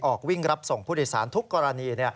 ออกวิ่งรับส่งผู้โดยสารทุกกรณี